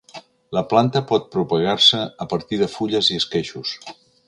La planta pot propagar-se a partir de fulles i esqueixos.